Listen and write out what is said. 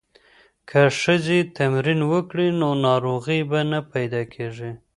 که ښځې تمرین وکړي نو ناروغۍ به نه پیدا کیږي.